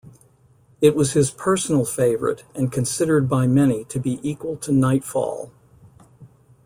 It was his personal favorite and considered by many to be equal to "Nightfall".